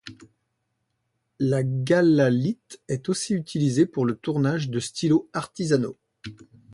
La Galalithe est aussi utilisée pour le tournage de stylos artisanaux.